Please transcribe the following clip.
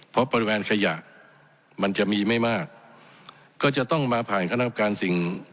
เพราะปริมาณขยะมันจะมีไม่มากก็จะต้องมาผ่านคณะกรรมการสิ่ง